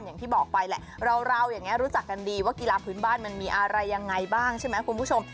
อย่างที่บอกไปแหละเราอย่างนี้รู้จักกันดีว่ากีฬาพื้นบ้านมันมีอะไรยังไงบ้างใช่ไหมคุณผู้ชม